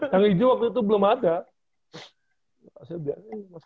yang hijau waktu itu belum ada